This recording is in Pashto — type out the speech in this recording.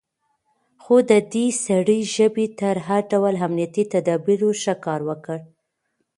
خو د دې سړي ژبې تر هر ډول امنيتي تدابيرو ښه کار وکړ.